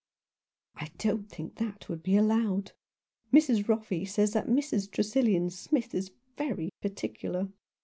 "I don't think that would be allowed. Mrs. Roffey says that Mrs. Tresillian Smith is very particular.